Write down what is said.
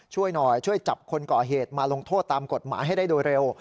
ช่วยหน่อยช่วยจับคนก่อเหตุมาลงโทษตามกฎหมายให้ได้โดยเร็ว